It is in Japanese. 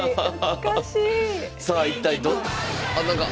さあ一体ど。